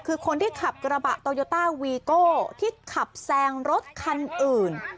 คือคนที่ขับกระบะโตโยต้าวีโก้ที่ขับแซงรถคันอื่น